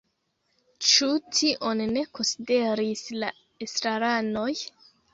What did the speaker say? Ĉu tion ne konsideris la estraranoj?